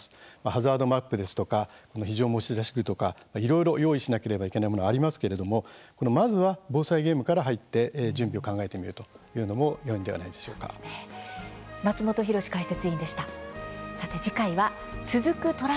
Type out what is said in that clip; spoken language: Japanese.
ハザードマップですとか非常持ち出し具とか、いろいろ用意しなければいけないものありますけれどもまずは防災ゲームから入って準備を考えてみるというのも松本浩司解説委員でした。